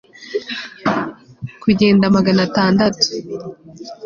Kugenda magana atandatu